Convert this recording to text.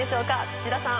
土田さん